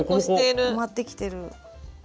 埋まってきてる。